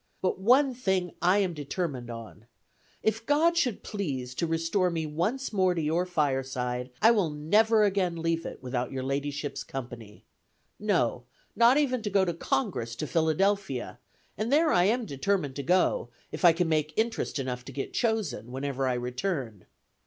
But one thing I am determined on. If God should please to restore me once more to your fireside, I will never again leave it without your ladyship's company no, not even to go to Congress to Philadelphia, and there I am determined to go, if I can make interest enough to get chosen, whenever I return.